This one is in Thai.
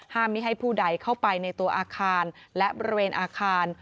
ไม่ให้ผู้ใดเข้าไปในตัวอาคารและบริเวณอาคาร